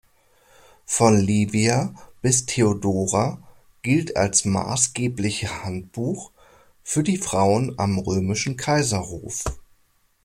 Von Livia bis Theodora" gilt als maßgebliche Handbuch für die Frauen am römischen Kaiserhof.